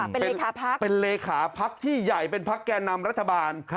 เป็นเลขาพักเป็นเลขาพักที่ใหญ่เป็นพักแก่นำรัฐบาล